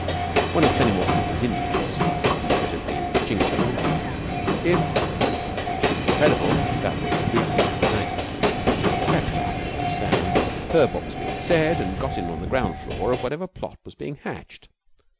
One of Fenimore Cooper's Indians notably Chingachgook, if, which seemed incredible, that was really the man's name would have crept up without a sound and heard what was being said and got in on the ground floor of whatever plot was being hatched.